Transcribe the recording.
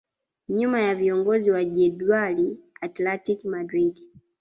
Nyuma ya viongozi wa jedwali Atletico Madrid